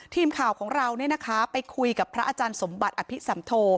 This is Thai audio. ทีมข่าวของเราไปคุยกับพระอาจารย์สมบัติอภิสัมโท